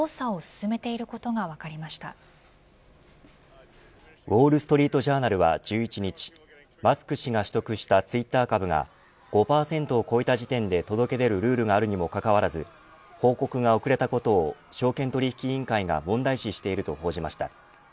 氏の調査をウォールストリート・ジャーナルは１１日マスク氏が取得したツイッター株が５％を超えた時点で届け出るルールがあるにもかかわらず報告が遅れたことを証券取引委員会が問題視していると報じました。